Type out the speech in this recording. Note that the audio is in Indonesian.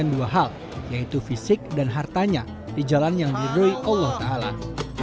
kedua ibadah haji juga merupakan wujud ungkapan syukur atas nikmat allah